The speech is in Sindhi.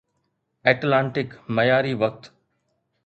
ائٽلانٽڪ معياري وقت